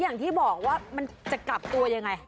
อย่างที่บอกว่ามันจะกลับตัวยังไง